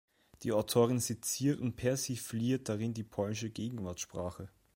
Die Autorin seziert und persifliert darin die polnische Gegenwartssprache.